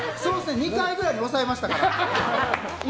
２回くらいに抑えましたから。